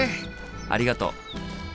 ありがとう。